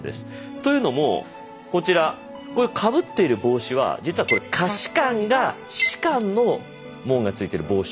というのもこちらこういうかぶっている帽子は実はこれ下士官が士官の紋が付いてる帽子をかぶっている。